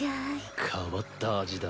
変わった味だ。